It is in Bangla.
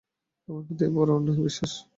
আমার প্রতি এ বড়ো অন্যায় অবিশ্বাস।